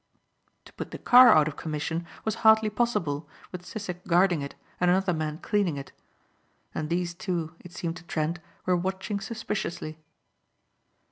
To put the car out of commission was hardly possible with Sissek guarding it and another man cleaning it. And these two, it seemed to Trent, were watching suspiciously.